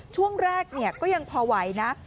ช่วงแรกก็ยังพอไหวนะ